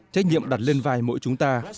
trách nhiệm đặt lên vai mỗi chúng ta